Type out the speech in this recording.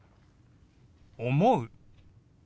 「思う」。